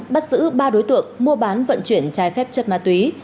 bắt giữ ba đối tượng mua bán vận chuyển trái phép chất ma túy